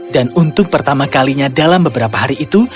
dan untuk pertama kalinya dalam beberapa hari itu